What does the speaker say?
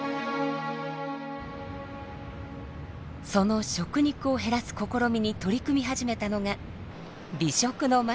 その食肉を減らす試みに取り組み始めたのが美食の街